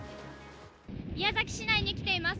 宮崎市内に来ています。